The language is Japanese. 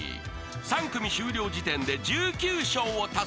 ［３組終了時点で１９笑を達成］